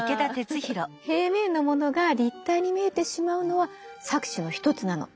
平面のものが立体に見えてしまうのは錯視の一つなの。